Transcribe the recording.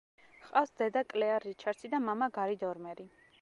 ჰყავს დედა-კლეარ რიჩარდსი და მამა-გარი დორმერი.